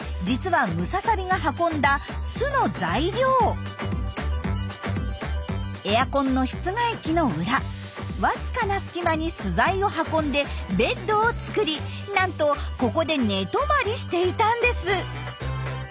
これ実はエアコンの室外機の裏わずかな隙間に巣材を運んでベッドを作りなんとここで寝泊まりしていたんです。